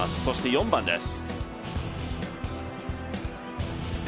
そして４番です。